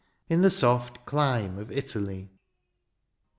In the soft clime of Italy.